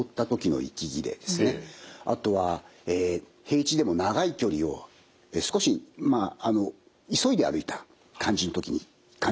あとは平地でも長い距離を少し急いで歩いた感じの時に感じるような息切れ。